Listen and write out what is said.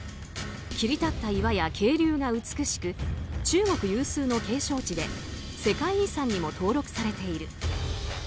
切り立った岩や渓流が美しく中国有数の景勝地で世界遺産にも登録されている。